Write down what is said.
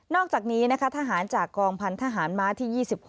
อกจากนี้นะคะทหารจากกองพันธหารม้าที่๒๖